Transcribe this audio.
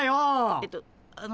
えとあの。